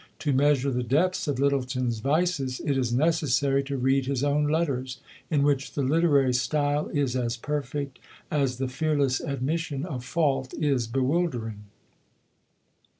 To measure the depths of Lyttelton's vices, it is necessary to read his own letters, in which the literary style is as perfect as the fearless admission of fault is bewildering."